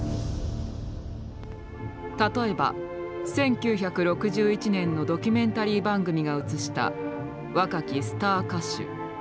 例えば１９６１年のドキュメンタリー番組が映した若きスター歌手。